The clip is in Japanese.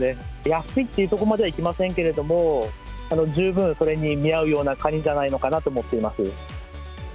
安いっていうところまではいきませんけれども、十分それに見合うようなカニじゃないかなと思っています。